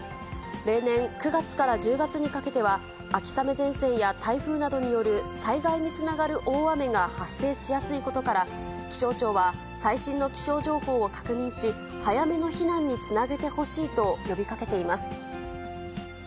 例年、９月から１０月にかけては、秋雨前線や台風などによる災害につながる大雨が発生しやすいことから、気象庁は、最新の気象情報を確認し、早めの避難につなげてほしいと呼びかけています。